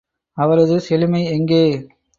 அவரது செழுமை எங்கே?